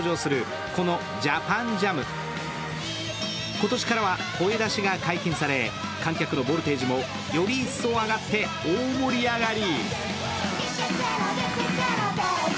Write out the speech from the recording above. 今年からは声出しが解禁され観客のボルテージもより一層上がって、大盛り上がり。